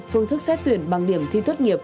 phương thức xét tuyển bằng điểm thi tốt nghiệp